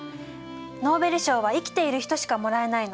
ノーベル賞は生きている人しかもらえないの。